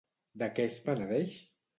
De què es penedeix?